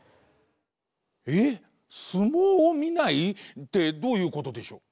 えっ相撲をみない？ってどういうことでしょう？